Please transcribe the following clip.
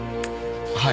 はい。